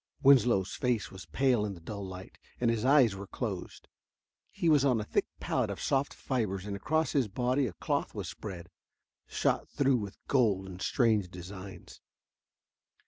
Winslow's face was pale in the dull light, and his eyes were closed. He was on a thick pallet of soft fibers and across his body a cloth was spread, shot through with gold in strange designs.